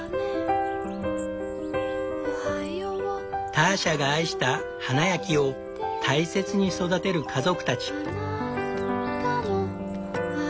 ターシャが愛した花や木を大切に育てる家族たち。